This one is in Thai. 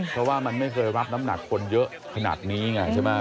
เพราะว่ามันไม่เคยรับน้ำหนักคนเยอะขนาดนี้ไงใช่ไหม